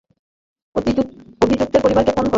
অভিযুক্তের পরিবারকে ফোন কর।